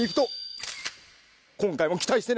今回も期待してね！